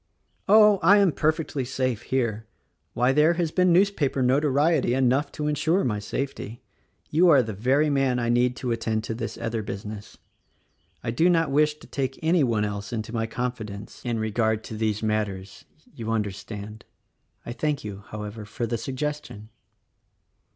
"Oh! I am perfectly saTe here. Why, there has been newspaper notoriety enough to insure my safety. You are the very man I need to attend to this other business. I do not wish to take any one else into my confidence in regard 106 THE RECORDING ANGEL to these matters — you understand. I thank you, however, for the suggestion."